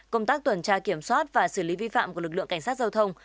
công tác tuần tra kiểm soát và xử lý vi phạm của lực lượng cảnh sát giao thông